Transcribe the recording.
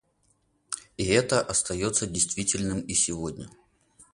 И это остается действительным и сегодня.